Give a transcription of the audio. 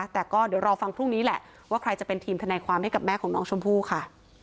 แต่ก็เดี๋ยวรอฟังพรุ่งนี้แหละว่าใครจะเป็นทีมทนายความให้กับแม่ของน้องชมพู่ค่ะ